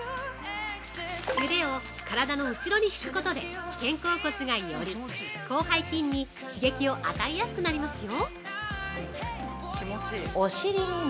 腕を体の後ろに引くことで肩甲骨が寄り広背筋に刺激を与えやすくなりますよ。